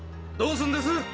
どうすんです？